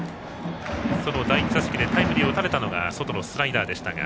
第１打席でタイムリーを打たれたのが外のスライダーでしたが。